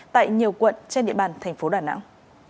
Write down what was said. tại nhiều quận trên địa bàn tp đà nẵng